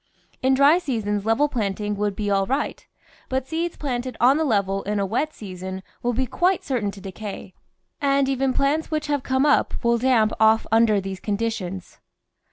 In dry seasons level planting would be all right, but seeds planted on the level in a wet season will be quite certain to decay, and even plants which have come up will damp off under these conditions.